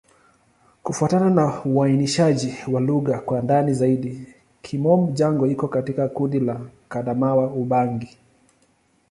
Kufuatana na uainishaji wa lugha kwa ndani zaidi, Kimom-Jango iko katika kundi la Kiadamawa-Ubangi.